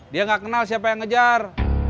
dia nggak kenal siapa yang ngejar